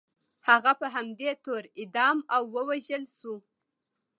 هغه په همدې تور اعدام او ووژل شو.